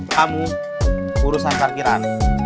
kamu urusan parkiran